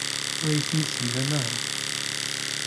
Ur iyi-tent-id-temlam ara.